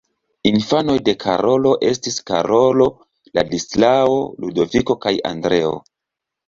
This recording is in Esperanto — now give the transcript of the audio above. Infanoj de Karolo estis Karolo, Ladislao, Ludoviko kaj Andreo.